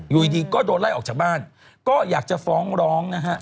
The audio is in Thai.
อยู่ดีก็โดนไล่ออกจากบ้านก็อยากจะฟ้องร้องนะฮะ